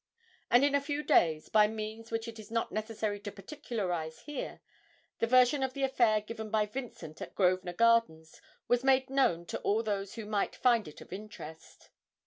And in a few days, by means which it is not necessary to particularise here, the version of the affair given by Vincent at Grosvenor Gardens was made known to all those who might find it of interest.